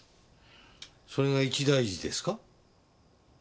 それが一大事ですか？